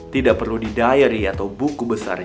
tidak perlu di diary atau buku besar